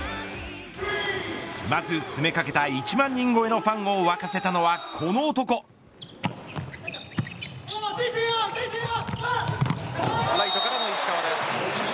まず詰めかけた１万人超えのファンを沸かせたのはライトからの石川です。